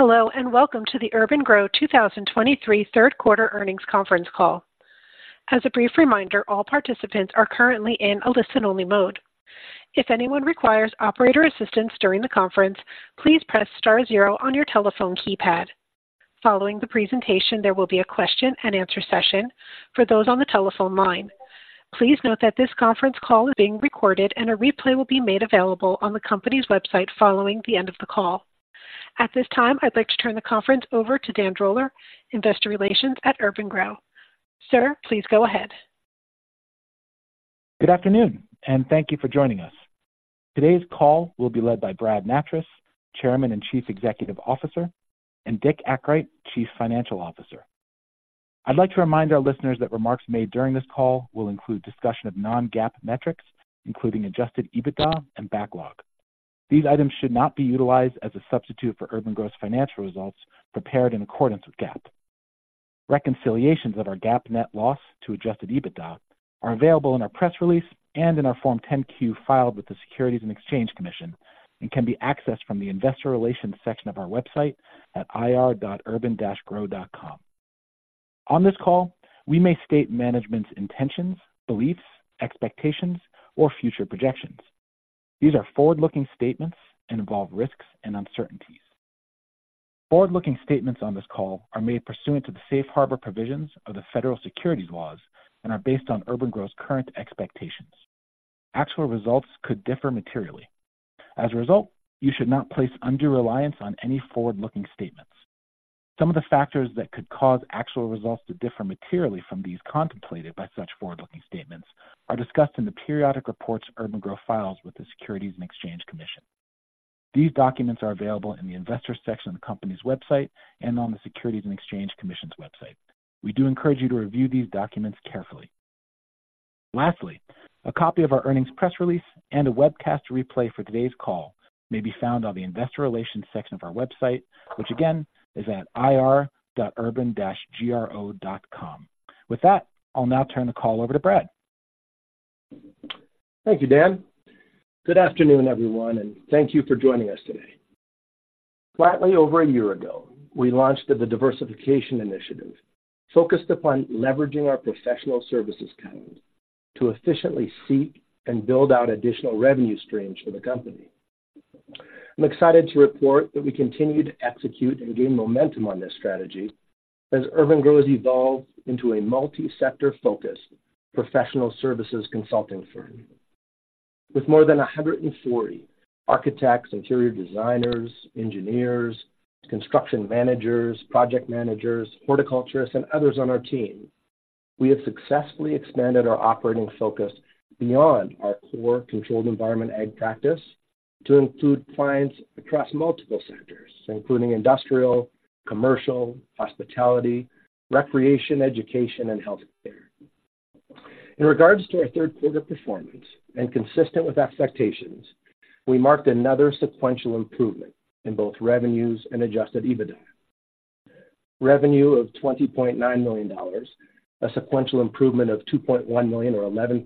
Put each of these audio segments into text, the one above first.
Hello, and welcome to the urban-gro 2023 Third Quarter Earnings Conference Call. As a brief reminder, all participants are currently in a listen-only mode. If anyone requires operator assistance during the conference, please press star zero on your telephone keypad. Following the presentation, there will be a question-and-answer session for those on the telephone line. Please note that this conference call is being recorded and a replay will be made available on the company's website following the end of the call. At this time, I'd like to turn the conference over to Dan Droller, Investor Relations at urban-gro. Sir, please go ahead. Good afternoon, and thank you for joining us. Today's call will be led by Brad Nattrass, Chairman and Chief Executive Officer, and Dick Akright, Chief Financial Officer. I'd like to remind our listeners that remarks made during this call will include discussion of non-GAAP metrics, including adjusted EBITDA and backlog. These items should not be utilized as a substitute for urban-gro's financial results prepared in accordance with GAAP. Reconciliations of our GAAP net loss to adjusted EBITDA are available in our press release and in our Form 10-Q filed with the Securities and Exchange Commission, and can be accessed from the Investor Relations section of our website at ir.urban-gro.com. On this call, we may state management's intentions, beliefs, expectations, or future projections. These are forward-looking statements and involve risks and uncertainties. Forward-looking statements on this call are made pursuant to the safe harbor provisions of the federal securities laws and are based on urban-gro's current expectations. Actual results could differ materially. As a result, you should not place undue reliance on any forward-looking statements. Some of the factors that could cause actual results to differ materially from these contemplated by such forward-looking statements are discussed in the periodic reports urban-gro files with the Securities and Exchange Commission. These documents are available in the Investor section of the company's website and on the Securities and Exchange Commission's website. We do encourage you to review these documents carefully. Lastly, a copy of our earnings press release and a webcast replay for today's call may be found on the Investor Relations section of our website, which again is at ir.urban-gro.com. With that, I'll now turn the call over to Brad. Thank you, Dan. Good afternoon, everyone, and thank you for joining us today. Slightly over a year ago, we launched the diversification initiative, focused upon leveraging our professional services talent to efficiently seek and build out additional revenue streams for the company. I'm excited to report that we continue to execute and gain momentum on this strategy as urban-gro has evolved into a multi-sector focused professional services consulting firm. With more than 140 architects, interior designers, engineers, construction managers, project managers, horticulturists, and others on our team, we have successfully expanded our operating focus beyond our core controlled environment ag practice to include clients across multiple sectors, including industrial, commercial, hospitality, recreation, education, and healthcare. In regards to our third quarter performance and consistent with expectations, we marked another sequential improvement in both revenues and Adjusted EBITDA. Revenue of $20.9 million, a sequential improvement of $2.1 million, or 11%,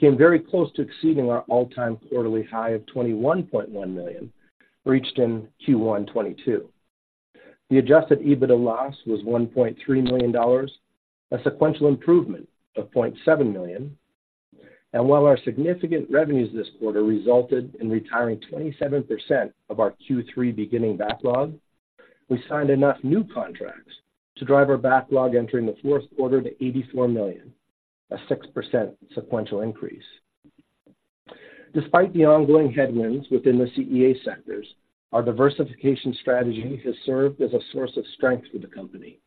came very close to exceeding our all-time quarterly high of $21.1 million, reached in Q1 2022. The Adjusted EBITDA loss was $1.3 million, a sequential improvement of $0.7 million. And while our significant revenues this quarter resulted in retiring 27% of our Q3 beginning backlog, we signed enough new contracts to drive our backlog entering the fourth quarter to $84 million, a 6% sequential increase. Despite the ongoing headwinds within the CEA sectors, our diversification strategy has served as a source of strength for the company.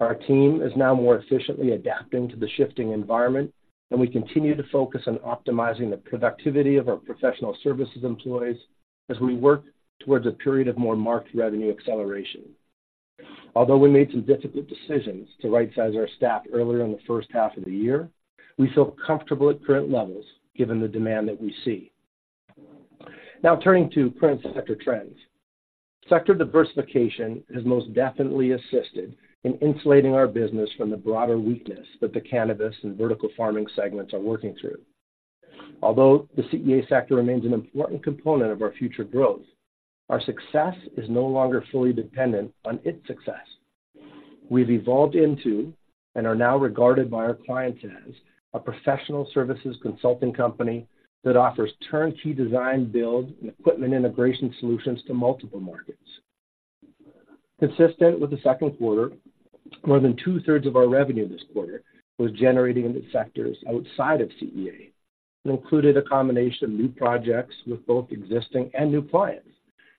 Our team is now more efficiently adapting to the shifting environment, and we continue to focus on optimizing the productivity of our professional services employees as we work towards a period of more marked revenue acceleration. Although we made some difficult decisions to right size our staff earlier in the first half of the year, we feel comfortable at current levels given the demand that we see. Now, turning to current sector trends. Sector diversification has most definitely assisted in insulating our business from the broader weakness that the cannabis and vertical farming segments are working through. Although the CEA sector remains an important component of our future growth, our success is no longer fully dependent on its success. We've evolved into, and are now regarded by our clients as, a professional services consulting company that offers turnkey design, build, and equipment integration solutions to multiple markets. Consistent with the second quarter, more than two-thirds of our revenue this quarter was generated in the sectors outside of CEA and included a combination of new projects with both existing and new clients,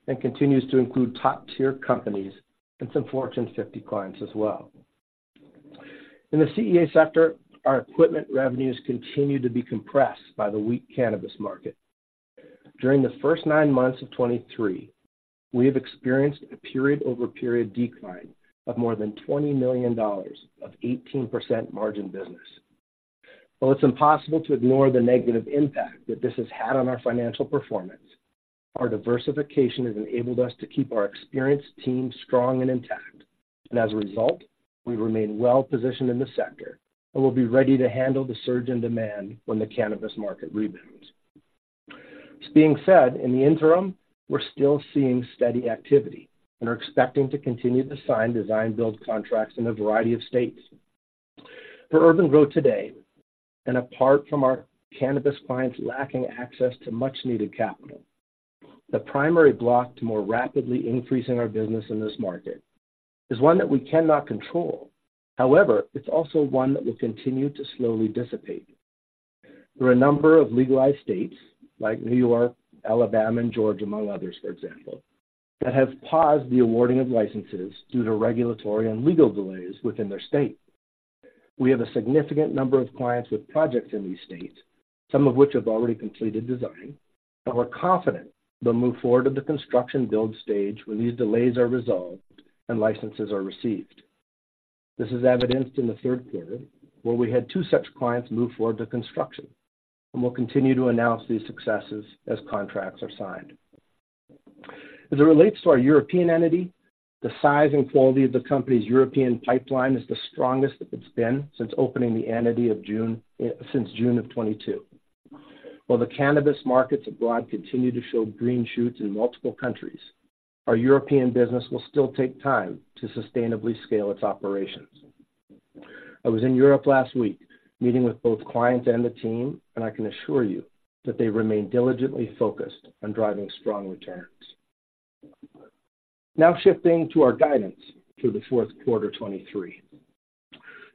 and continues to include top-tier companies and some Fortune 50 clients as well. In the CEA sector, our equipment revenues continue to be compressed by the weak cannabis market. During the first nine months of 2023, we have experienced a period-over-period decline of more than $20 million of 18% margin business. While it's impossible to ignore the negative impact that this has had on our financial performance, our diversification has enabled us to keep our experienced team strong and intact. And as a result, we remain well positioned in the sector and will be ready to handle the surge in demand when the cannabis market rebounds. This being said, in the interim, we're still seeing steady activity and are expecting to continue to sign design-build contracts in a variety of states. For urban-gro today, and apart from our cannabis clients lacking access to much-needed capital, the primary block to more rapidly increasing our business in this market is one that we cannot control. However, it's also one that will continue to slowly dissipate. There are a number of legalized states, like New York, Alabama, and Georgia, among others, for example, that have paused the awarding of licenses due to regulatory and legal delays within their state. We have a significant number of clients with projects in these states, some of which have already completed design, and we're confident they'll move forward to the construction build stage when these delays are resolved and licenses are received. This is evidenced in the third quarter, where we had two such clients move forward to construction, and we'll continue to announce these successes as contracts are signed. As it relates to our European entity, the size and quality of the company's European pipeline is the strongest it's been since opening the entity in June 2022. While the cannabis markets abroad continue to show green shoots in multiple countries, our European business will still take time to sustainably scale its operations. I was in Europe last week, meeting with both clients and the team, and I can assure you that they remain diligently focused on driving strong returns. Now shifting to our guidance for the fourth quarter 2023.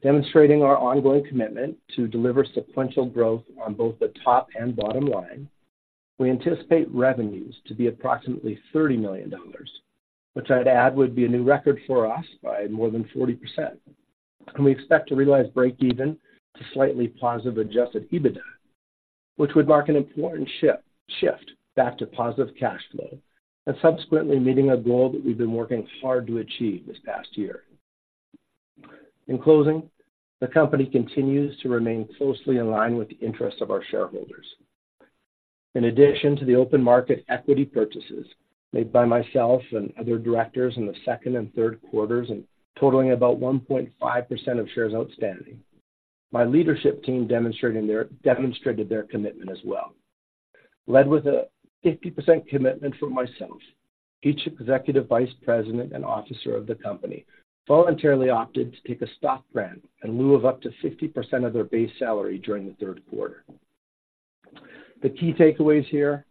Demonstrating our ongoing commitment to deliver sequential growth on both the top and bottom line, we anticipate revenues to be approximately $30 million, which I'd add, would be a new record for us by more than 40%. We expect to realize break-even to slightly positive adjusted EBITDA, which would mark an important shift back to positive cash flow and subsequently meeting a goal that we've been working hard to achieve this past year. In closing, the company continues to remain closely in line with the interests of our shareholders. In addition to the open market equity purchases made by myself and other directors in the second and third quarters, and totaling about 1.5% of shares outstanding, my leadership team demonstrated their commitment as well. Led with a 50% commitment from myself, each Executive Vice President and Officer of the company voluntarily opted to take a stock grant in lieu of up to 50% of their base salary during the third quarter. The key takeaways here: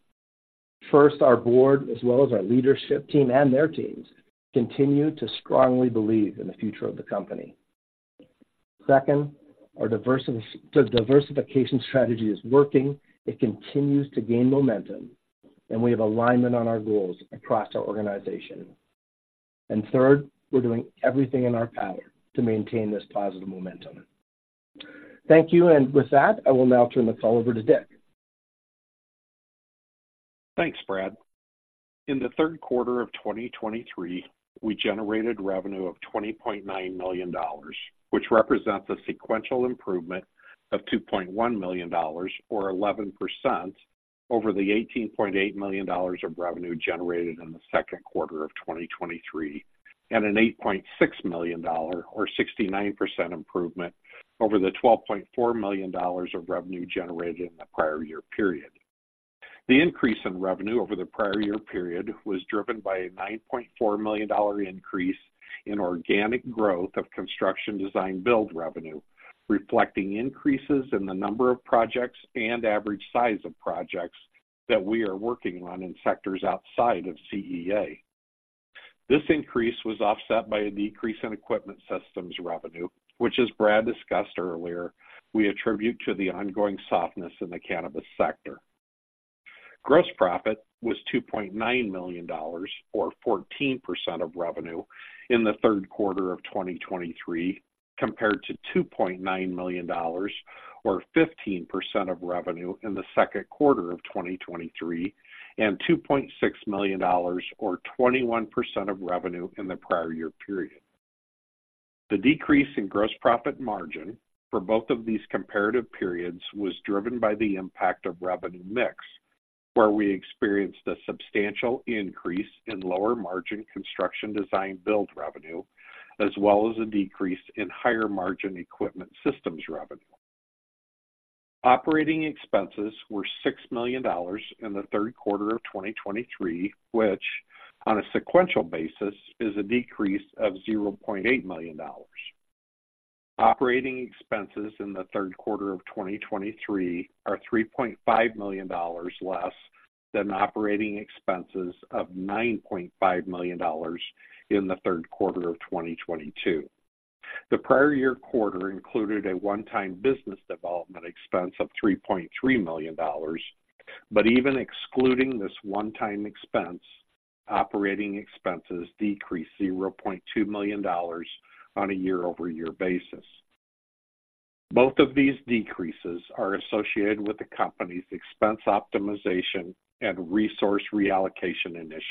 First, our board, as well as our leadership team and their teams, continue to strongly believe in the future of the company. Second, our diversification strategy is working, it continues to gain momentum, and we have alignment on our goals across our organization. And third, we're doing everything in our power to maintain this positive momentum. Thank you. And with that, I will now turn this all over to Dick. Thanks, Brad. In the third quarter of 2023, we generated revenue of $20.9 million, which represents a sequential improvement of $2.1 million, or 11%, over the $18.8 million of revenue generated in the second quarter of 2023, and an $8.6 million, or 69% improvement, over the $12.4 million of revenue generated in the prior year period. The increase in revenue over the prior year period was driven by a $9.4 million increase in organic growth of construction design build revenue, reflecting increases in the number of projects and average size of projects that we are working on in sectors outside of CEA. This increase was offset by a decrease in equipment systems revenue, which, as Brad discussed earlier, we attribute to the ongoing softness in the cannabis sector. Gross profit was $2.9 million, or 14% of revenue, in the third quarter of 2023, compared to $2.9 million, or 15% of revenue, in the second quarter of 2023, and $2.6 million, or 21% of revenue, in the prior year period. The decrease in gross profit margin for both of these comparative periods was driven by the impact of revenue mix, where we experienced a substantial increase in lower margin construction design build revenue, as well as a decrease in higher margin equipment systems revenue. Operating expenses were $6 million in the third quarter of 2023, which, on a sequential basis, is a decrease of $0.8 million. Operating expenses in the third quarter of 2023 are $3.5 million less than operating expenses of $9.5 million in the third quarter of 2022. The prior year quarter included a one-time business development expense of $3.3 million. But even excluding this one-time expense, operating expenses decreased $0.2 million on a year-over-year basis. Both of these decreases are associated with the company's expense optimization and resource reallocation initiative.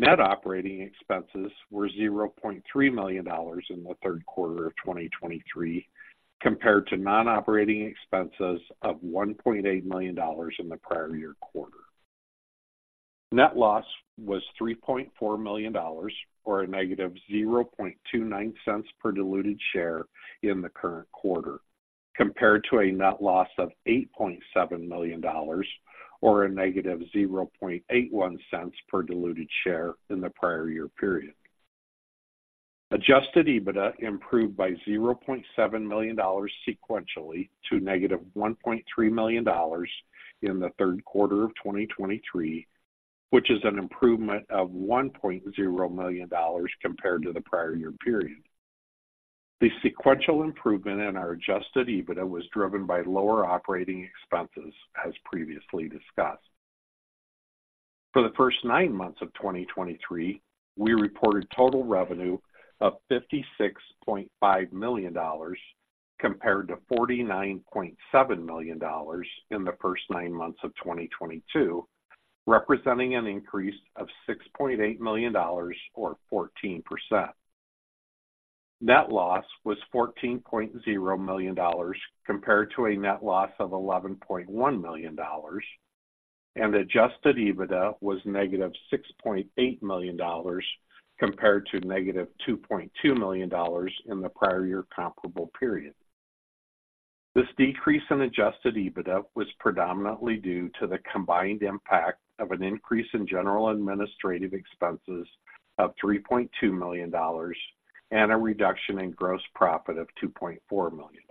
Net operating expenses were $0.3 million in the third quarter of 2023, compared to non-operating expenses of $1.8 million in the prior year quarter. Net loss was $3.4 million, or -$0.29 per diluted share in the current quarter, compared to a net loss of $8.7 million or -$0.81 per diluted share in the prior year period. Adjusted EBITDA improved by $0.7 million sequentially to -$1.3 million in the third quarter of 2023, which is an improvement of $1 million compared to the prior year period. The sequential improvement in our Adjusted EBITDA was driven by lower operating expenses, as previously discussed. For the first nine months of 2023, we reported total revenue of $56.5 million, compared to $49.7 million in the first nine months of 2022, representing an increase of $6.8 million or 14%. Net loss was $14.0 million, compared to a net loss of $11.1 million, and Adjusted EBITDA was -$6.8 million, compared to -$2.2 million in the prior year comparable period. This decrease in Adjusted EBITDA was predominantly due to the combined impact of an increase in general administrative expenses of $3.2 million and a reduction in gross profit of $2.4 million.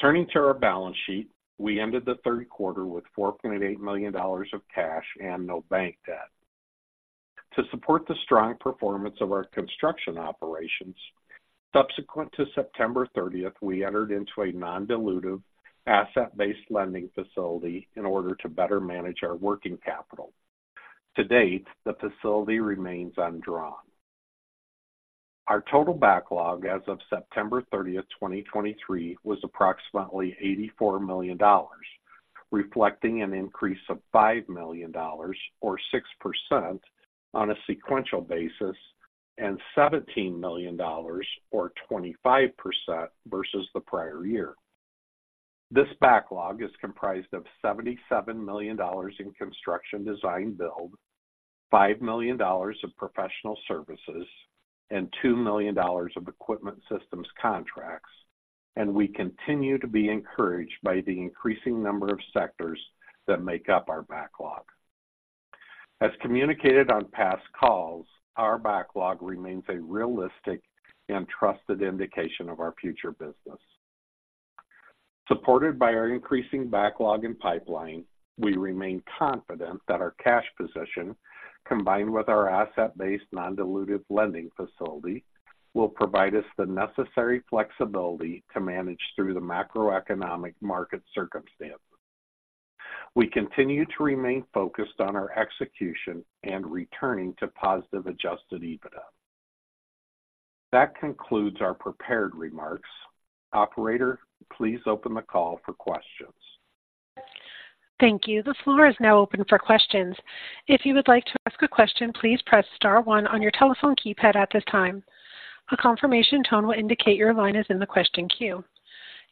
Turning to our balance sheet, we ended the third quarter with $4.8 million of cash and no bank debt. To support the strong performance of our construction operations, subsequent to September 30, we entered into a non-dilutive asset-based lending facility in order to better manage our working capital. To date, the facility remains undrawn. Our total backlog as of September 30, 2023, was approximately $84 million, reflecting an increase of $5 million or 6% on a sequential basis, and $17 million or 25% versus the prior year. This backlog is comprised of $77 million in construction design-build, $5 million of professional services, and $2 million of equipment systems contracts. And we continue to be encouraged by the increasing number of sectors that make up our backlog. As communicated on past calls, our backlog remains a realistic and trusted indication of our future business. Supported by our increasing backlog and pipeline, we remain confident that our cash position, combined with our asset-based, non-dilutive lending facility, will provide us the necessary flexibility to manage through the macroeconomic market circumstances. We continue to remain focused on our execution and returning to positive Adjusted EBITDA. That concludes our prepared remarks. Operator, please open the call for questions. Thank you. The floor is now open for questions. If you would like to ask a question, please press star one on your telephone keypad at this time. A confirmation tone will indicate your line is in the question queue.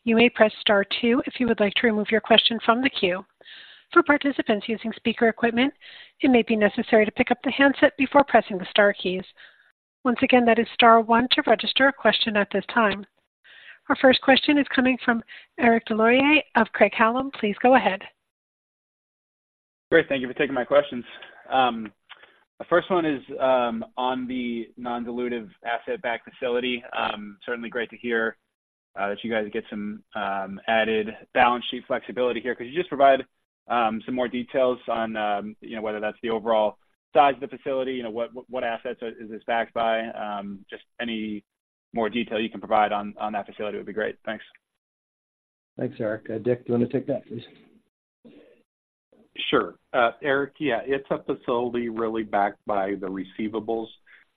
You may press Star two if you would like to remove your question from the queue. For participants using speaker equipment, it may be necessary to pick up the handset before pressing the star keys. Once again, that is star one to register a question at this time. Our first question is coming from Eric Des Lauriers of Craig-Hallum. Please go ahead. Great. Thank you for taking my questions. The first one is, on the non-dilutive asset-backed facility. Certainly great to hear, that you guys get some, added balance sheet flexibility here. Could you just provide, some more details on, you know, whether that's the overall size of the facility, you know, what, what assets is this backed by? Just any more detail you can provide on, on that facility would be great. Thanks. Thanks, Eric. Dick, do you want to take that, please? Sure. Eric, yeah, it's a facility really backed by the receivables,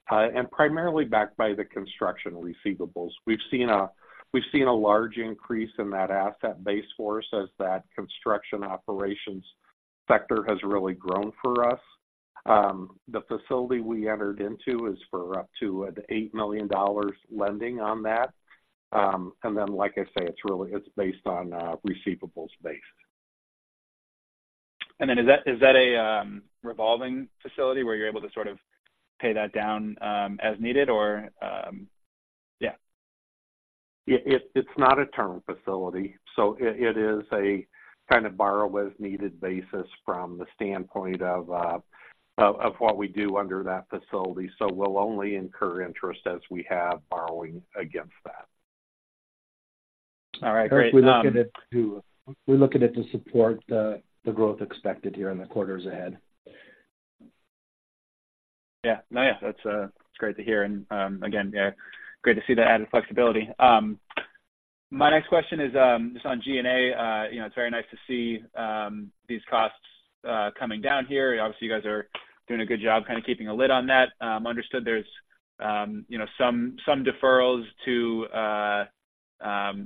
and primarily backed by the construction receivables. We've seen a, we've seen a large increase in that asset base for us as that construction operations sector has really grown for us. The facility we entered into is for up to $8 million lending on that. And then, like I say, it's really, it's based on receivables base. Is that a revolving facility where you're able to sort of pay that down as needed or yeah? It's not a term facility, so it is a kind of borrow as needed basis from the standpoint of what we do under that facility. So we'll only incur interest as we have borrowing against that. All right, great. We look at it to support the growth expected here in the quarters ahead. Yeah. No, yeah, that's, that's great to hear. And, again, yeah, great to see the added flexibility. My next question is, just on G&A. You know, it's very nice to see, these costs, coming down here. Obviously, you guys are doing a good job kind of keeping a lid on that. Understood there's, you know, some, some deferrals to,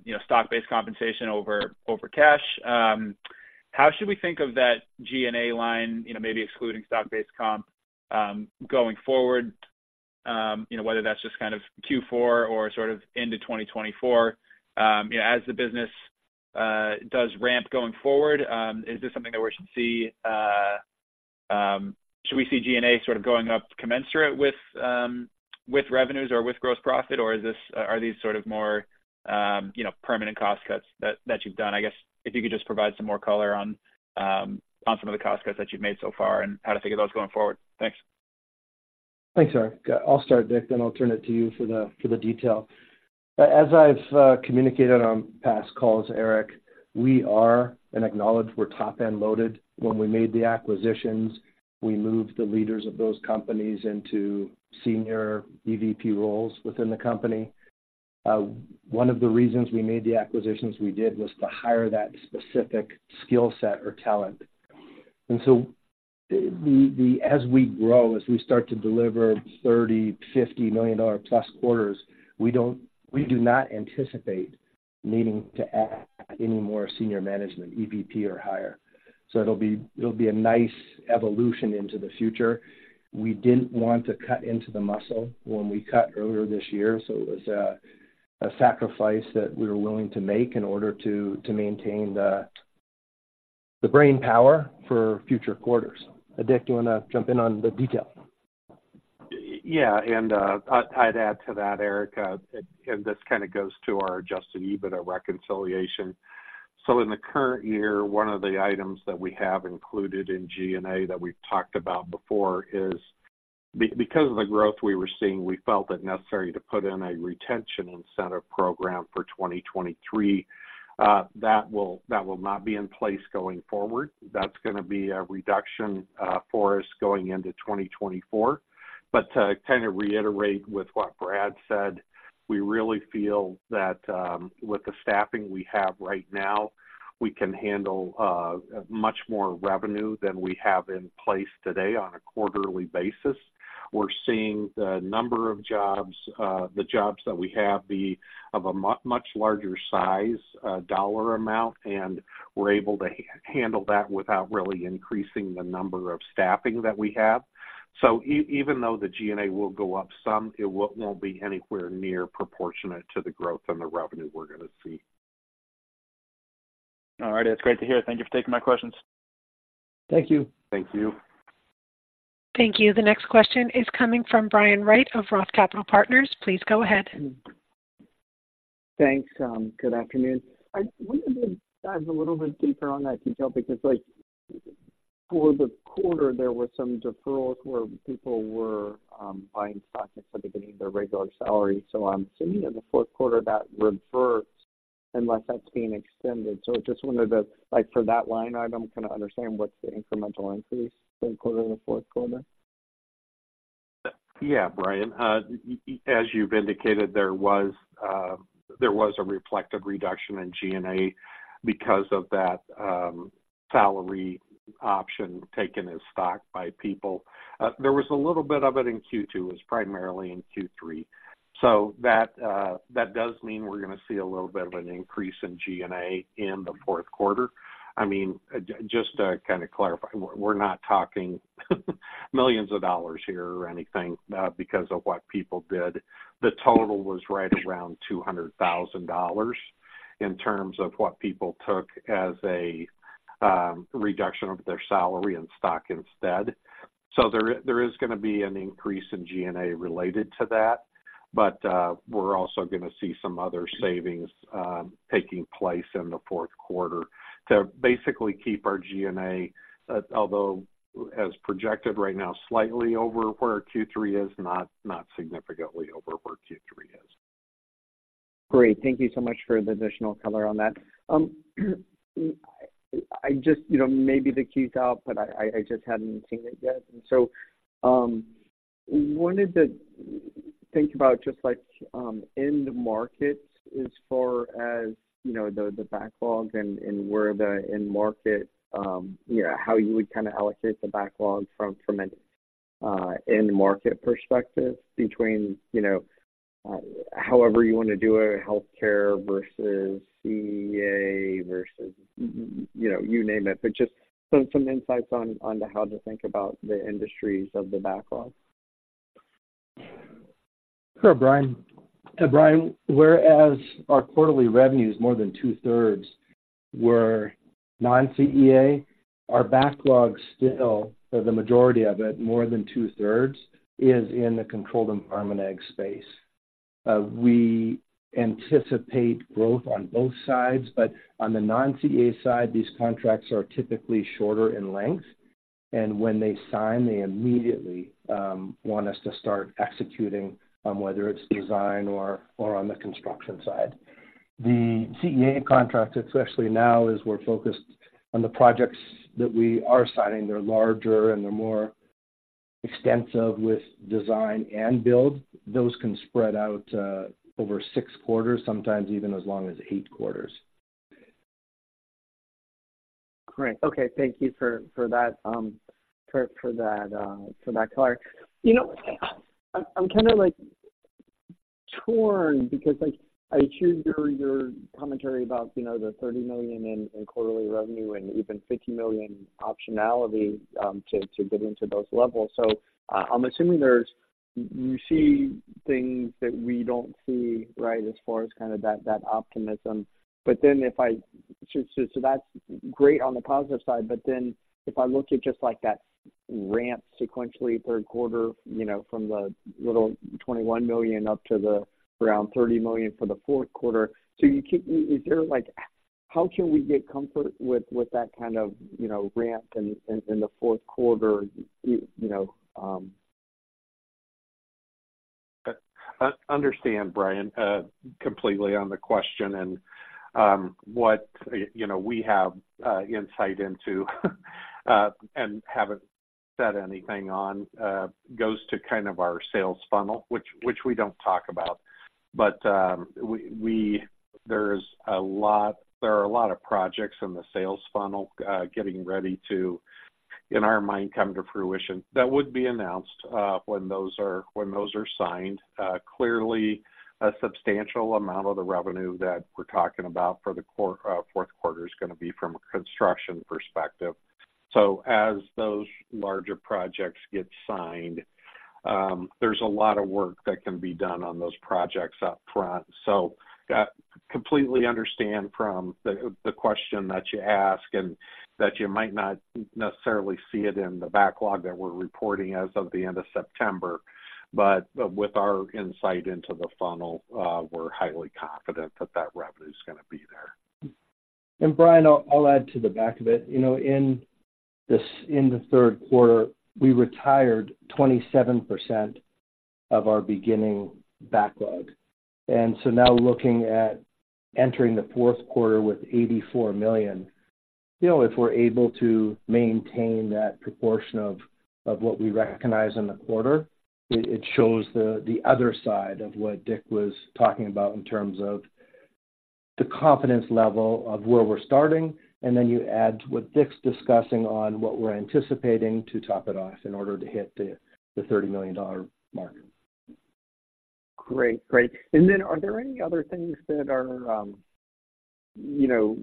you know, stock-based compensation over, over cash. How should we think of that G&A line, you know, maybe excluding stock-based comp, going forward?... you know, whether that's just kind of Q4 or sort of into 2024. You know, as the business, does ramp going forward, is this something that we should see, should we see G&A sort of going up commensurate with, with revenues or with gross profit? Or is this, are these sort of more, you know, permanent cost cuts that you've done? I guess if you could just provide some more color on, on some of the cost cuts that you've made so far and how to think of those going forward. Thanks. Thanks, Eric. I'll start, Dick, then I'll turn it to you for the detail. As I've communicated on past calls, Eric, we are and acknowledge we're top-end loaded. When we made the acquisitions, we moved the leaders of those companies into senior EVP roles within the company. One of the reasons we made the acquisitions we did was to hire that specific skill set or talent. And so the, the -- as we grow, as we start to deliver $30-$50 million-plus quarters, we don't-- we do not anticipate needing to add any more senior management, EVP or higher. So it'll be, it'll be a nice evolution into the future. We didn't want to cut into the muscle when we cut earlier this year, so it was a sacrifice that we were willing to make in order to maintain the brainpower for future quarters. Dick, do you want to jump in on the detail? Yeah, I'd add to that, Eric, and this kind of goes to our Adjusted EBITDA reconciliation. So in the current year, one of the items that we have included in G&A that we've talked about before is because of the growth we were seeing, we felt it necessary to put in a retention incentive program for 2023. That will not be in place going forward. That's going to be a reduction for us going into 2024. But to kind of reiterate with what Brad said, we really feel that with the staffing we have right now, we can handle much more revenue than we have in place today on a quarterly basis. We're seeing the number of jobs, the jobs that we have be of a much larger size, dollar amount, and we're able to handle that without really increasing the number of staffing that we have. So even though the G&A will go up some, it won't be anywhere near proportionate to the growth and the revenue we're going to see. All right, that's great to hear. Thank you for taking my questions. Thank you. Thank you. Thank you. The next question is coming from Brian Wright of Roth Capital Partners. Please go ahead. Thanks. Good afternoon. I wonder if you could dive a little bit deeper on that detail, because, like, for the quarter, there were some deferrals where people were buying stock instead of getting their regular salary. So I'm assuming in the fourth quarter, that reverts, unless that's being extended. So I just wondered if, like, for that line item, kind of understand what's the incremental increase, third quarter to fourth quarter? Yeah, Brian. As you've indicated, there was a reflective reduction in G&A because of that, salary option taken as stock by people. There was a little bit of it in Q2, it was primarily in Q3. So that does mean we're going to see a little bit of an increase in G&A in the fourth quarter. I mean, just to kind of clarify, we're not talking millions of dollars here or anything, because of what people did. The total was right around $200,000 in terms of what people took as a reduction of their salary and stock instead. So there is going to be an increase in G&A related to that, but we're also going to see some other savings taking place in the fourth quarter to basically keep our G&A, although as projected right now, slightly over where our Q3 is, not significantly over where Q3 is. Great. Thank you so much for the additional color on that. I just, you know, maybe the queue's out, but I just hadn't seen it yet. And so, wanted to think about just like, end markets as far as, you know, the, the backlog and, and where the end market, you know, how you would kind of allocate the backlog from, from an, end market perspective between, you know, however you want to do it, healthcare versus CEA versus, you know, you name it. But just some insights on to how to think about the industries of the backlog. Sure, Brian. Brian, whereas our quarterly revenues, more than two-thirds were non-CEA, our backlog still, for the majority of it, more than two-thirds, is in the controlled environment space. We anticipate growth on both sides, but on the non-CEA side, these contracts are typically shorter in length, and when they sign, they immediately want us to start executing on whether it's design or, or on the construction side. The CEA contracts, especially now, as we're focused on the projects that we are signing, they're larger and they're more extensive with design and build. Those can spread out over six quarters, sometimes even as long as eight quarters. Great. Okay. Thank you for that color. You know, I'm kind of like torn because I choose your commentary about, you know, the $30 million in quarterly revenue and even $50 million optionality to get into those levels. So I'm assuming there's you see things that we don't see, right, as far as kind of that optimism. But then if I so that's great on the positive side, but then if I look at just like that ramp sequentially, third quarter, you know, from the little $21 million up to around $30 million for the fourth quarter, so is there, like, how can we get comfort with that kind of, you know, ramp in the fourth quarter, you know? Understand, Brian, completely on the question and what, you know, we have insight into and haven't said anything on goes to kind of our sales funnel, which we don't talk about. But there are a lot of projects in the sales funnel getting ready to, in our mind, come to fruition. That would be announced when those are signed. Clearly, a substantial amount of the revenue that we're talking about for the fourth quarter is gonna be from a construction perspective. So as those larger projects get signed, there's a lot of work that can be done on those projects up front. So, completely understand from the question that you ask, and that you might not necessarily see it in the backlog that we're reporting as of the end of September. But with our insight into the funnel, we're highly confident that that revenue is gonna be there. Brian, I'll add to the back of it. You know, in this in the third quarter, we retired 27% of our beginning backlog. And so now looking at entering the fourth quarter with $84 million, you know, if we're able to maintain that proportion of what we recognize in the quarter, it shows the other side of what Dick was talking about in terms of the confidence level of where we're starting, and then you add to what Dick's discussing on what we're anticipating to top it off in order to hit the $30 million mark. Great. Great. And then are there any other things that are, you know,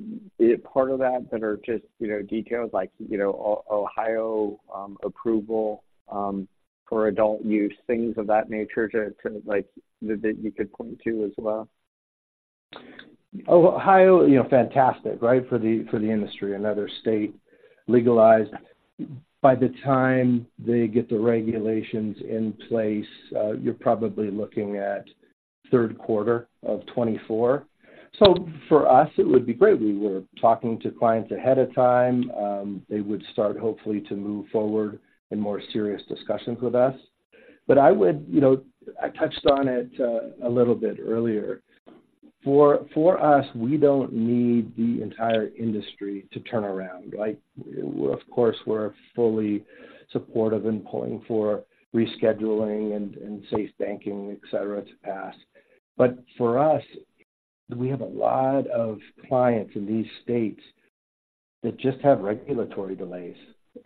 part of that, that are just, you know, details like, you know, Ohio approval for adult-use, things of that nature to, like, that you could point to as well? Ohio, you know, fantastic, right? For the industry. Another state legalized. By the time they get the regulations in place, you're probably looking at third quarter of 2024. So for us, it would be great. We were talking to clients ahead of time. They would start hopefully to move forward in more serious discussions with us. But I would, you know, I touched on it a little bit earlier. For us, we don't need the entire industry to turn around. Like, of course, we're fully supportive and pulling for rescheduling and safe banking, et cetera, to pass. But for us, we have a lot of clients in these states that just have regulatory delays,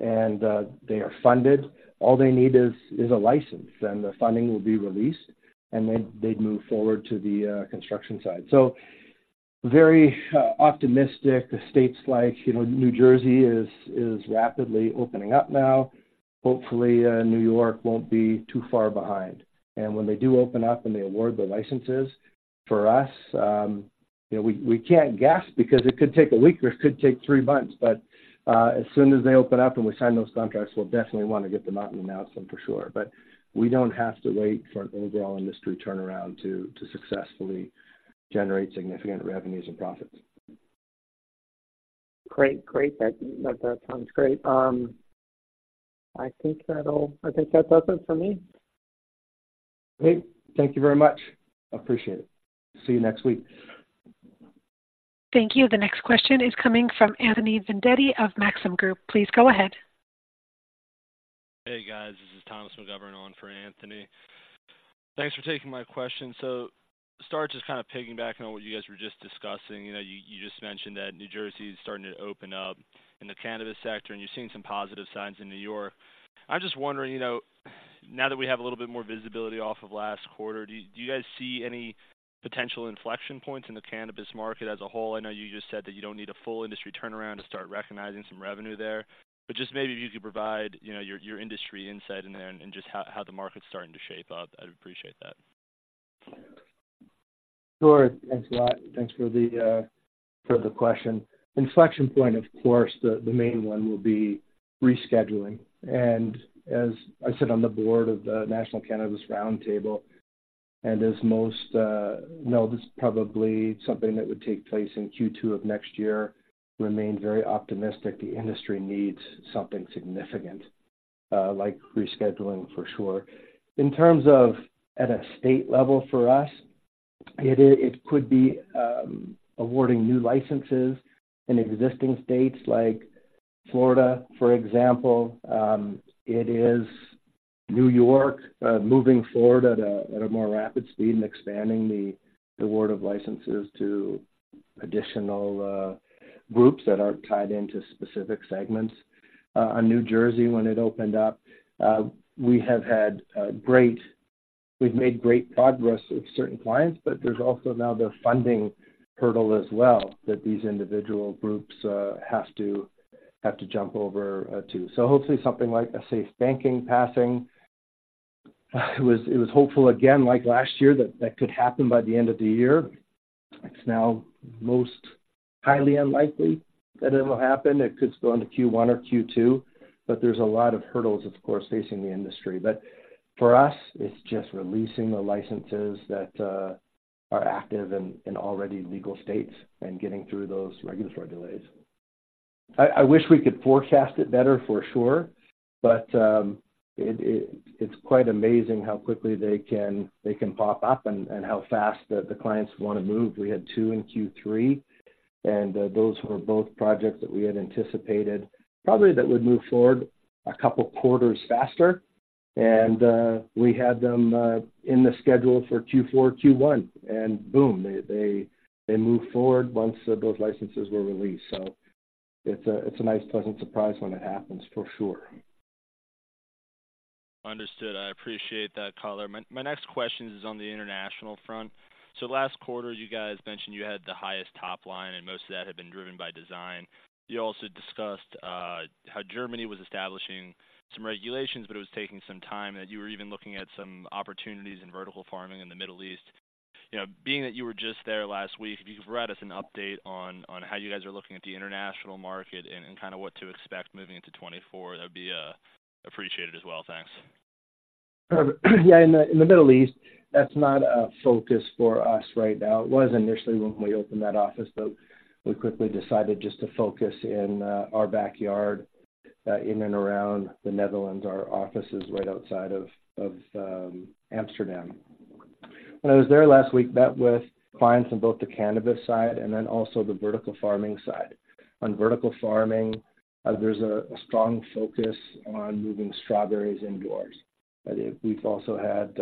and they are funded. All they need is a license, and the funding will be released, and then they'd move forward to the construction side. So very optimistic. States like, you know, New Jersey is rapidly opening up now. Hopefully, New York won't be too far behind. And when they do open up and they award the licenses, for us, you know, we can't guess because it could take a week or it could take three months, but as soon as they open up and we sign those contracts, we'll definitely want to get them out and announce them for sure. But we don't have to wait for an overall industry turnaround to successfully generate significant revenues and profits. Great, great. That, that sounds great. I think that'll—I think that does it for me. Great. Thank you very much. Appreciate it. See you next week. Thank you. The next question is coming from Anthony Vendetti of Maxim Group. Please go ahead. Hey, guys, this is Thomas McGovern on for Anthony. Thanks for taking my question. So to start, just kind of piggybacking on what you guys were just discussing. You know, you just mentioned that New Jersey is starting to open up in the cannabis sector, and you're seeing some positive signs in New York. I'm just wondering, you know, now that we have a little bit more visibility off of last quarter, do you guys see any potential inflection points in the cannabis market as a whole? I know you just said that you don't need a full industry turnaround to start recognizing some revenue there, but just maybe if you could provide, you know, your industry insight in there and just how the market's starting to shape up, I'd appreciate that. Sure. Thanks a lot. Thanks for the, for the question. Inflection point, of course, the main one will be rescheduling. And as I sit on the board of the National Cannabis Roundtable, and as most know, this is probably something that would take place in Q2 of next year, remain very optimistic. The industry needs something significant, like rescheduling, for sure. In terms of at a state level for us, it is—it could be awarding new licenses in existing states like Florida, for example. It is New York moving forward at a more rapid speed and expanding the award of licenses to additional groups that aren't tied into specific segments. On New Jersey, when it opened up, we've made great progress with certain clients, but there's also now the funding hurdle as well, that these individual groups have to jump over, too. So hopefully something like a safe banking passing. It was hopeful again, like last year, that that could happen by the end of the year. It's now most highly unlikely that it will happen. It could go into Q1 or Q2, but there's a lot of hurdles, of course, facing the industry. But for us, it's just releasing the licenses that are active in already legal states and getting through those regulatory delays. I wish we could forecast it better, for sure, but it, it's quite amazing how quickly they can pop up and how fast the clients want to move. We had two in Q3, and those were both projects that we had anticipated, probably that would move forward a couple of quarters faster. And we had them in the schedule for Q4, Q1, and boom, they moved forward once those licenses were released. So it's a nice, pleasant surprise when it happens, for sure. Understood. I appreciate that color. My, my next question is on the international front. So last quarter, you guys mentioned you had the highest top line, and most of that had been driven by design. You also discussed how Germany was establishing some regulations, but it was taking some time, and that you were even looking at some opportunities in vertical farming in the Middle East. You know, being that you were just there last week, if you could provide us an update on, on how you guys are looking at the international market and, and kind of what to expect moving into 2024, that would be appreciated as well. Thanks. Perfect. Yeah, in the Middle East, that's not a focus for us right now. It was initially when we opened that office, but we quickly decided just to focus in our backyard in and around the Netherlands. Our office is right outside of Amsterdam. When I was there last week, met with clients on both the cannabis side and then also the vertical farming side. On vertical farming, there's a strong focus on moving strawberries indoors. But we've also had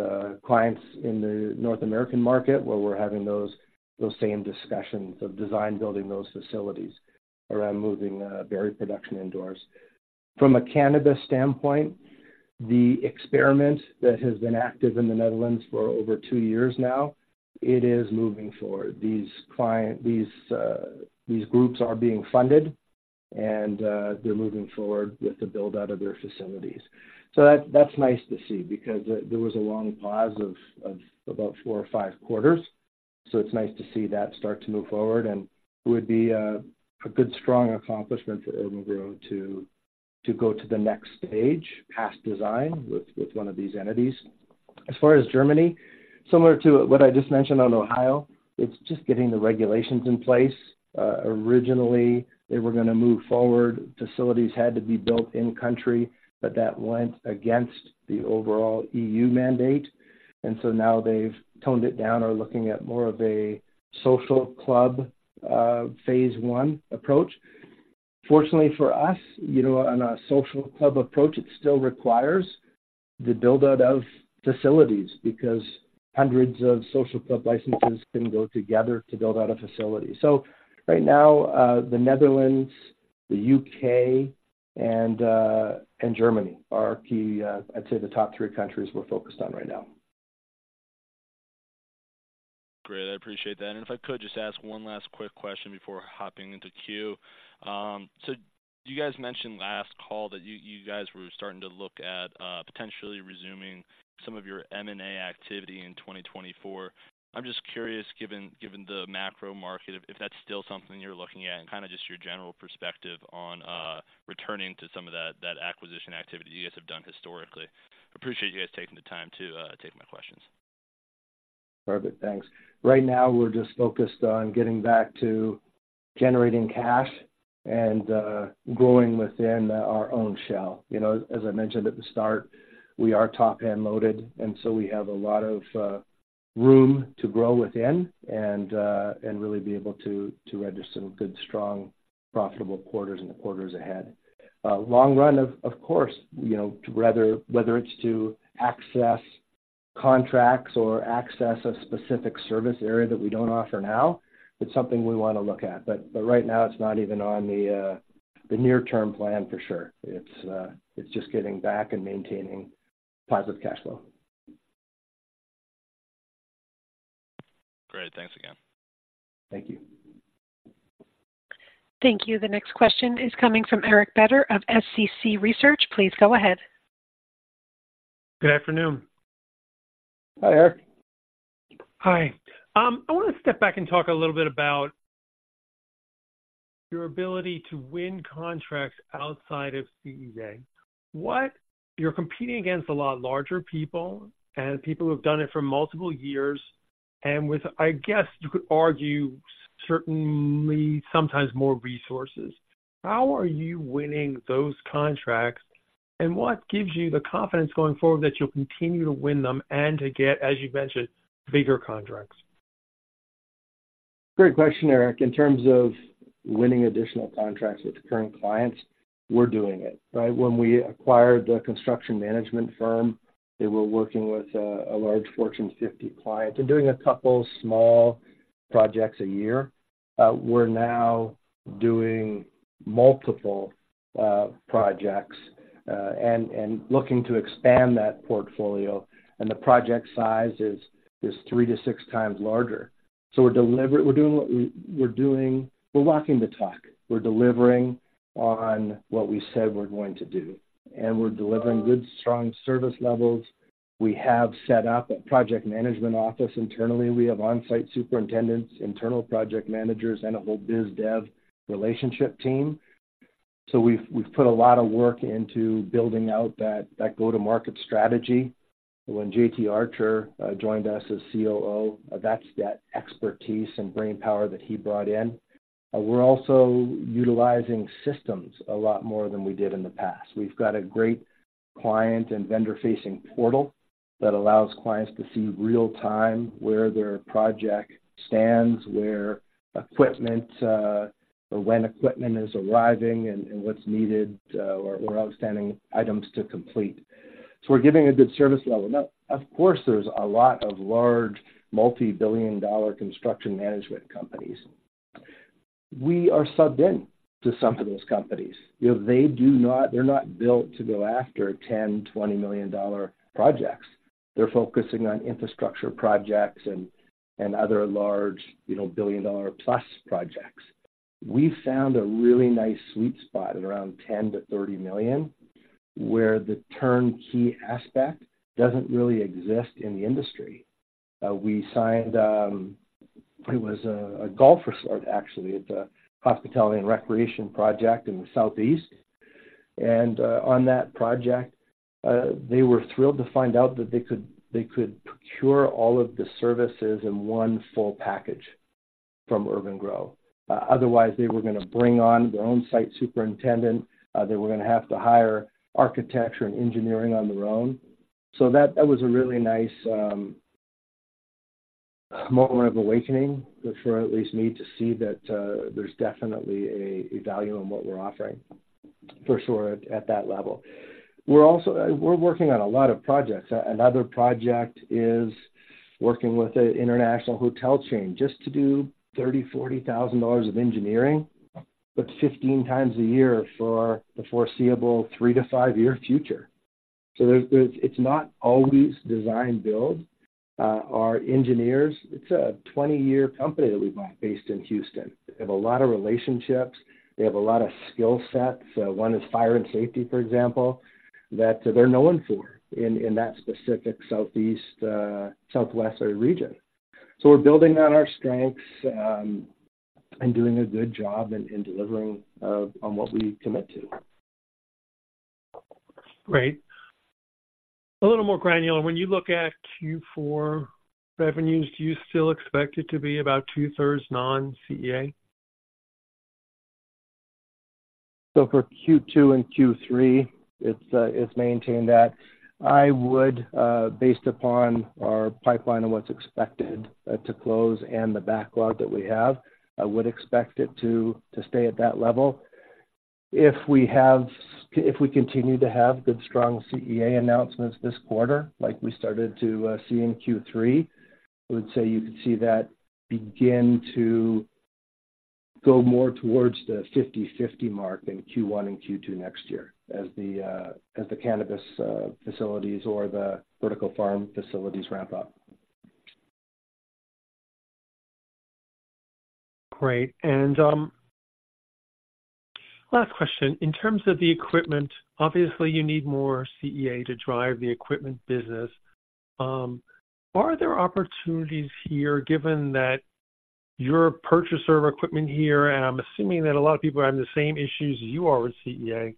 clients in the North American market where we're having those same discussions of design, building those facilities around moving berry production indoors. From a cannabis standpoint, the experiment that has been active in the Netherlands for over two years now, it is moving forward. These client. These, these groups are being funded, and they're moving forward with the build-out of their facilities. So that's nice to see because there was a long pause of about four or five quarters. So it's nice to see that start to move forward, and it would be a good, strong accomplishment for urban-gro to go to the next stage, past design, with one of these entities. As far as Germany, similar to what I just mentioned on Ohio, it's just getting the regulations in place. Originally, they were gonna move forward. Facilities had to be built in-country, but that went against the overall EU mandate, and so now they've toned it down or looking at more of a social club, phase one approach. Fortunately for us, you know, on a social club approach, it still requires the build-out of facilities because hundreds of social club licenses can go together to build out a facility. So right now, the Netherlands, the UK, and Germany are key, I'd say the top three countries we're focused on right now. Great. I appreciate that. And if I could just ask one last quick question before hopping into queue. So you guys mentioned last call that you guys were starting to look at potentially resuming some of your M&A activity in 2024. I'm just curious, given the macro market, if that's still something you're looking at and kind of just your general perspective on returning to some of that acquisition activity you guys have done historically. I appreciate you guys taking the time to take my questions. Perfect. Thanks. Right now, we're just focused on getting back to generating cash and, growing within our own shell. You know, as I mentioned at the start, we are top-end loaded, and so we have a lot of, room to grow within and, and really be able to, to register some good, strong, profitable quarters in the quarters ahead. Long run, of course, you know, whether it's to access contracts or access a specific service area that we don't offer now, it's something we want to look at. But right now, it's not even on the, the near-term plan for sure. It's just getting back and maintaining positive cash flow. Great. Thanks again. Thank you. Thank you. The next question is coming from Eric Beder of SCC Research. Please go ahead. Good afternoon. Hi, Eric. Hi. I want to step back and talk a little bit about your ability to win contracts outside of CEA. What? You're competing against a lot larger people and people who have done it for multiple years, and with, I guess you could argue, certainly, sometimes more resources. How are you winning those contracts, and what gives you the confidence going forward that you'll continue to win them and to get, as you mentioned, bigger contracts? Great question, Eric. In terms of winning additional contracts with current clients, we're doing it, right? When we acquired the construction management firm, they were working with a large Fortune 50 client and doing a couple small projects a year. We're now doing multiple projects and looking to expand that portfolio, and the project size is 3-6 times larger. So we're doing what we're doing. We're walking the talk. We're delivering on what we said we're going to do, and we're delivering good, strong service levels. We have set up a project management office internally. We have on-site superintendents, internal project managers, and a whole biz dev relationship team. So we've put a lot of work into building out that go-to-market strategy. When JT Archer joined us as COO, that's that expertise and brainpower that he brought in. We're also utilizing systems a lot more than we did in the past. We've got a great client and vendor-facing portal that allows clients to see real-time where their project stands, where equipment, or when equipment is arriving and what's needed, or outstanding items to complete. So we're giving a good service level. Now, of course, there's a lot of large, multi-billion dollar construction management companies. We are subbed in to some of those companies. You know, they're not built to go after $10-$20 million projects. They're focusing on infrastructure projects and other large, you know, billion-dollar plus projects. We found a really nice sweet spot at around $10-$30 million, where the turnkey aspect doesn't really exist in the industry. We signed, it was a golf resort, actually. It's a hospitality and recreation project in the Southeast. On that project, they were thrilled to find out that they could procure all of the services in one full package from urban-gro. Otherwise, they were gonna bring on their own site superintendent, they were gonna have to hire architecture and engineering on their own. So that was a really nice moment of awakening, for sure, at least me, to see that there's definitely a value in what we're offering, for sure, at that level. We're also working on a lot of projects. Another project is working with an international hotel chain, just to do $30,000-$40,000 of engineering, but 15 times a year for the foreseeable 3-5-year future. So there's, it's not always design build. Our engineers, it's a 20-year company that we bought based in Houston. They have a lot of relationships. They have a lot of skill sets, one is fire and safety, for example, that they're known for in that specific Southeast, Southwest region. So we're building on our strengths, and doing a good job in delivering on what we commit to. Great. A little more granular, when you look at Q4 revenues, do you still expect it to be about 2/3 non-CEA? So for Q2 and Q3, it's maintained that. I would, based upon our pipeline and what's expected to close and the backlog that we have, I would expect it to stay at that level. If we continue to have good, strong CEA announcements this quarter, like we started to see in Q3, I would say you could see that begin to go more towards the 50/50 mark in Q1 and Q2 next year as the cannabis facilities or the vertical farm facilities ramp up. Great. And, last question: in terms of the equipment, obviously, you need more CEA to drive the equipment business. Are there opportunities here, given that you're a purchaser of equipment here, and I'm assuming that a lot of people are having the same issues as you are with CEA,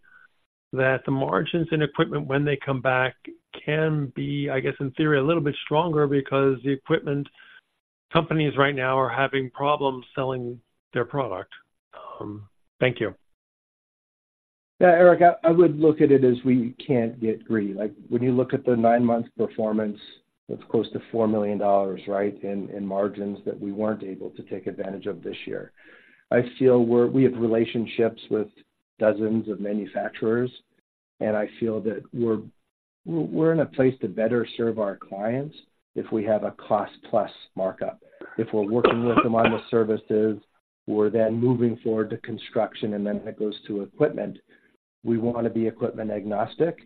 that the margins in equipment, when they come back, can be, I guess, in theory, a little bit stronger because the equipment companies right now are having problems selling their product? Thank you. Yeah, Eric, I would look at it as we can't get greedy. Like, when you look at the nine-month performance, it's close to $4 million, right? In margins that we weren't able to take advantage of this year. I feel we have relationships with dozens of manufacturers, and I feel that we're in a place to better serve our clients if we have a cost-plus markup. If we're working with them on the services, we're then moving forward to construction, and then it goes to equipment. We want to be equipment agnostic,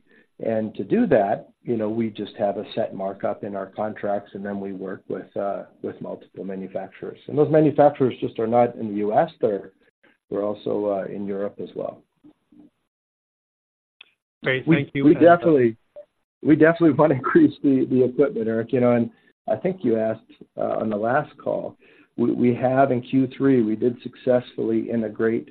and to do that, you know, we just have a set markup in our contracts, and then we work with multiple manufacturers. And those manufacturers just are not in the U.S., they're also in Europe as well. Great, thank you. We definitely, we definitely want to increase the equipment, Eric. You know, and I think you asked on the last call, we, we have in Q3, we did successfully integrate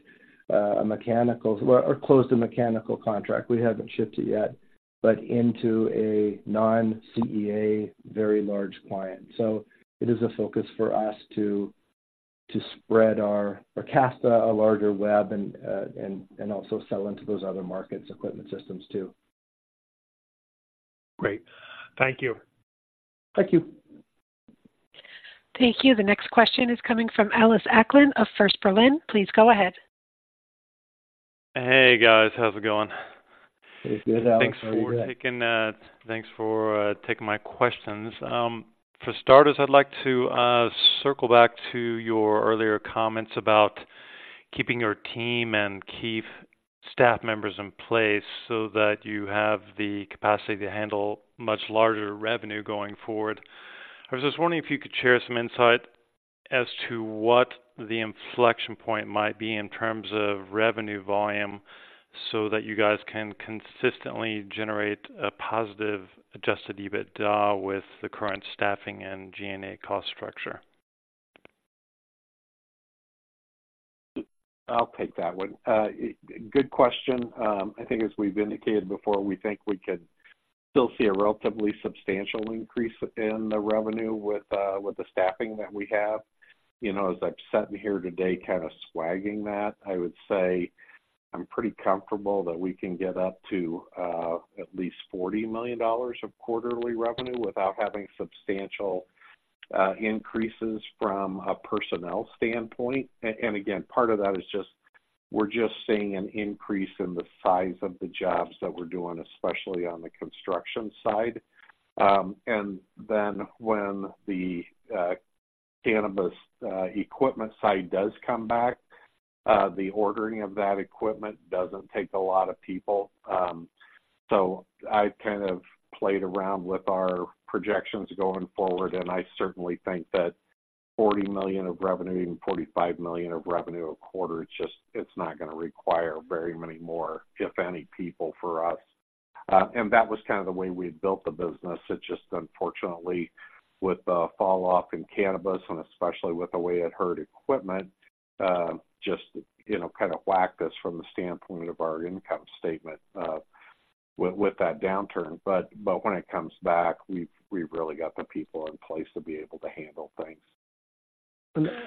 a mechanical- or closed a mechanical contract. We haven't shipped it yet, but into a non-CEA, very large client. So it is a focus for us to spread our... or cast a larger web and also sell into those other markets, equipment systems, too. Great. Thank you. Thank you. Thank you. The next question is coming from Ellis Acklin of First Berlin. Please go ahead. Hey, guys. How's it going? It's good, Ellis. Thanks for taking my questions. For starters, I'd like to circle back to your earlier comments about keeping your team and key staff members in place so that you have the capacity to handle much larger revenue going forward. I was just wondering if you could share some insight as to what the inflection point might be in terms of revenue volume, so that you guys can consistently generate a positive Adjusted EBITDA with the current staffing and G&A cost structure. I'll take that one. Good question. I think as we've indicated before, we think we could still see a relatively substantial increase in the revenue with the staffing that we have. You know, as I'm sitting here today, kind of swaging that, I would say I'm pretty comfortable that we can get up to at least $40 million of quarterly revenue without having substantial increases from a personnel standpoint. And again, part of that is just, we're just seeing an increase in the size of the jobs that we're doing, especially on the construction side. And then when the cannabis equipment side does come back, the ordering of that equipment doesn't take a lot of people. So I've kind of played around with our projections going forward, and I certainly think that $40 million of revenue, even $45 million of revenue a quarter, it's just, it's not gonna require very many more, if any, people for us. And that was kind of the way we had built the business. It just unfortunately, with the falloff in cannabis, and especially with the way it hurt equipment, just, you know, kind of whacked us from the standpoint of our income statement, with, with that downturn. But, but when it comes back, we've, we've really got the people in place to be able to handle things.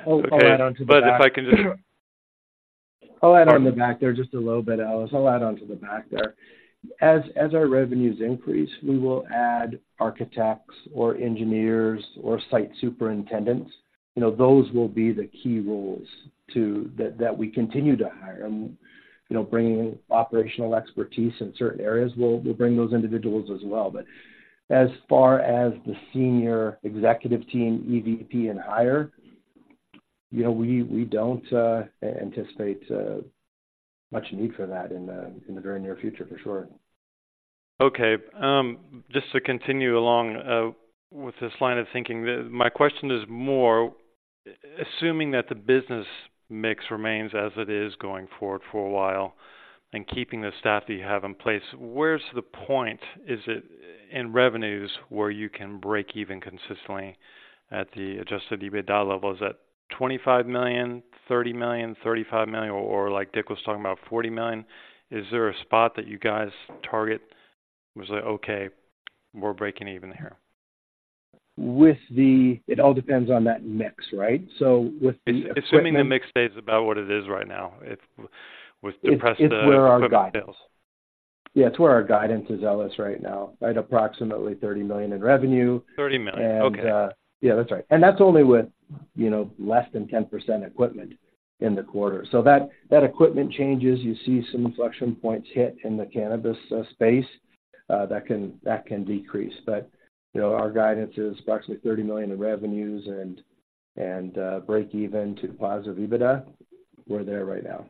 I'll add on to the back. But if I can just. I'll add on the back there just a little bit, Ellis. I'll add on to the back there. As our revenues increase, we will add architects or engineers or site superintendents. You know, those will be the key roles that we continue to hire. You know, bringing operational expertise in certain areas, we'll bring those individuals as well. But as far as the senior executive team, EVP and higher, you know, we don't anticipate much need for that in the very near future, for sure. Okay, just to continue along with this line of thinking, my question is more, assuming that the business mix remains as it is going forward for a while, and keeping the staff that you have in place, where's the point, is it in revenues, where you can break even consistently at the Adjusted EBITDA level? Is that $25 million, $30 million, $35 million, or like Dick was talking about, $40 million? Is there a spot that you guys target, and was like, "Okay, we're breaking even here? It all depends on that mix, right? So with the equipment- Assuming the mix stays about what it is right now, it's with the equipment sales. It's where our guidance. Yeah, it's where our guidance is, Alice, right now, right? Approximately $30 million in revenue. $30 million. Okay. Yeah, that's right. And that's only with, you know, less than 10% equipment in the quarter. So that equipment changes, you see some inflection points hit in the cannabis space, that can decrease. But, you know, our guidance is approximately $30 million in revenues and break even to positive EBITDA. We're there right now.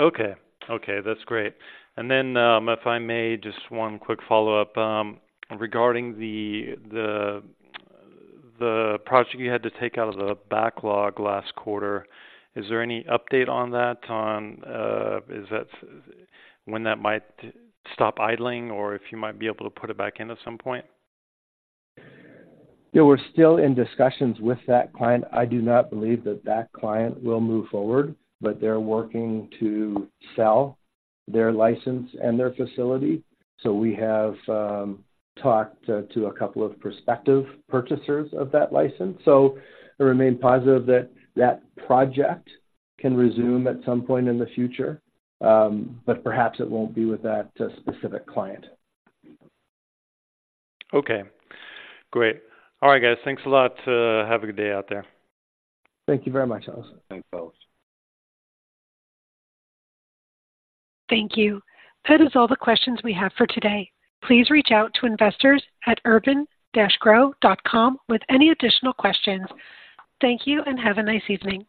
Okay. Okay, that's great. And then, if I may, just one quick follow-up, regarding the project you had to take out of the backlog last quarter. Is there any update on that, when that might stop idling, or if you might be able to put it back in at some point? Yeah, we're still in discussions with that client. I do not believe that that client will move forward, but they're working to sell their license and their facility. So we have talked to a couple of prospective purchasers of that license, so I remain positive that that project can resume at some point in the future, but perhaps it won't be with that specific client. Okay, great. All right, guys. Thanks a lot. Have a good day out there. Thank you very much, Ellis. Thanks, Ellis. Thank you. That is all the questions we have for today. Please reach out to investors at urban-gro.com with any additional questions. Thank you, and have a nice evening.